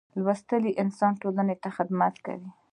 لوستی انسان ټولنې ته خدمت کوي.